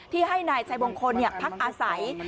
ที่ให้นายชัยมงคลพักอาศัย